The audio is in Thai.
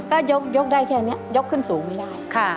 ก็ยกได้แค่นี้ยกขึ้นสูงไม่ได้